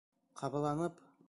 Ҡабаланып: